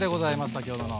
先ほどの。